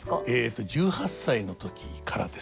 えと１８歳の時からですね。